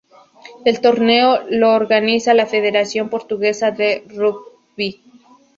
El torneo lo organiza la Federación Portuguesa de Rugby.